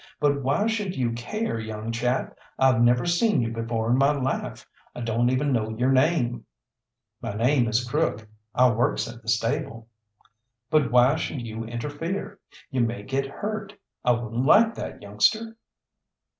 But why should you care, young chap? I've never seen you before in my life; I don't even know your name." "My name is Crook; I works at the stable." "But why should you interfere? You may get hurt. I wouldn't like that, youngster."